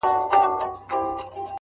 په زلفو ورا مه كوه مړ به مي كړې،